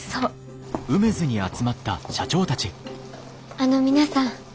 あの皆さん